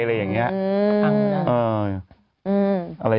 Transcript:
อะไรอย่างนี้